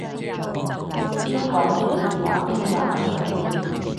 邊講住電話邊畫眼線